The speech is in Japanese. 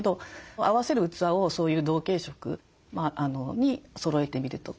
合わせる器をそういう同系色にそろえてみるとか。